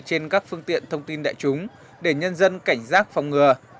trên các phương tiện thông tin đại chúng để nhân dân cảnh giác phòng ngừa